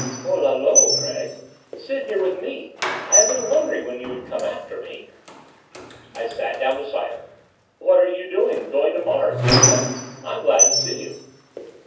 "Hola lo, Gregg! Sit here with me. I have been wondering when you would come after me." I sat down beside her. "What are you doing going to Mars, Venza? I'm glad to see you."